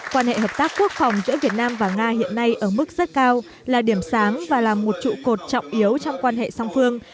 quan hệ hợp tác quốc phòng giữa việt nam và nga hiện nay ở mức rất cao là điểm sáng và là một trụ cột trọng yếu trong quan hệ song phương